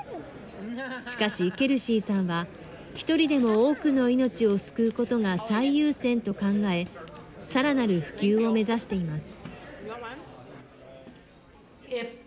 しかし、ケルシーさんは、１人でも多くの命を救うことが最優先と考え、さらなる普及を目指しています。